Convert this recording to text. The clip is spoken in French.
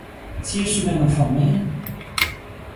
Si je suis bien informé...